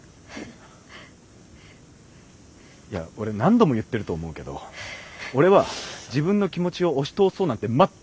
いや俺何度も言ってると思うけど俺は自分の気持ちを押し通そうなんて全く思ってない。